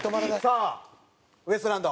さあウエストランド。